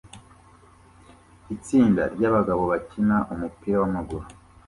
Itsinda ryabagabo bakina umupira wamaguru